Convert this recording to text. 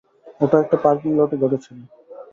ওটা একটা পার্কিং লটে ঘটেছিল।